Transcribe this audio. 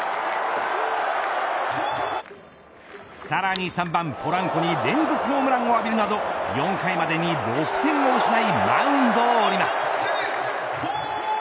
さらに３番ポランコに連続ホームランを浴びるなど４回までに６点を失いマウンドを降ります。